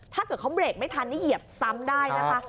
ถ้าเกิดเขาเบรกไม่ทันนี่เหยียบซ้ำได้นะคะ